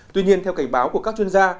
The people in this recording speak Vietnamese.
tuy nhiên theo cảnh báo của các chuyên gia